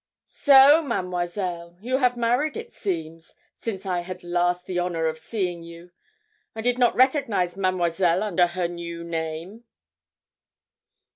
'So, Mademoiselle, you have married, it seems, since I had last the honour of seeing you? I did not recognise Mademoiselle under her new name.'